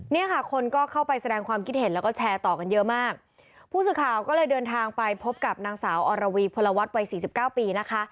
เนี่ยค่ะคนก็เข้าไปแสดงความคิดเห็นแล้วก็แชร์ต่อกันเยอะมากผู้สื่อข่าวก็เลยเดินทางไปพบกับนางสาวอรวีพลวัฒน์วัยสี่สิบเก้าปีนะคะ